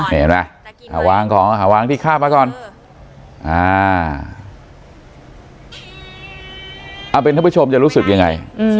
นี่เห็นไหมวางของหาวางที่ข้าบมาก่อนเอาเป็นท่านผู้ชมจะรู้สึกยังไง